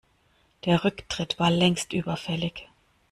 Der Rücktritt war längst überfällig.